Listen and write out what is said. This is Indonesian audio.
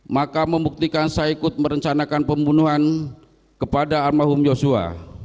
maka memuktikan saya ikut merencanakan pembunuhan kepada armahum yosua